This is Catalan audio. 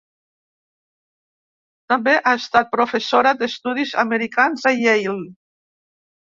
També ha estat professora d'estudis americans a Yale.